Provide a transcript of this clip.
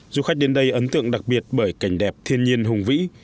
du khách đến đây ấn tượng đặc biệt bởi cảnh đẹp thiên nhiên hùng vĩ